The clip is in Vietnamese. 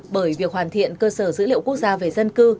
bởi việc hoàn thiện cơ sở dữ liệu quốc gia về dân cư